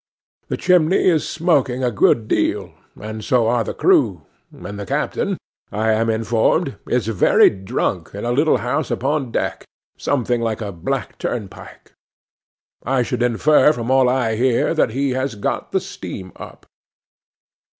The chimney is smoking a good deal, and so are the crew; and the captain, I am informed, is very drunk in a little house upon deck, something like a black turnpike. I should infer from all I hear that he has got the steam up.